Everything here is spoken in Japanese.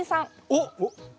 おっ！